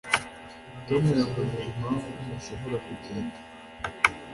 Tom yambajije impamvu ntashobora kugenda